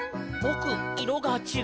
いろがちがうよ」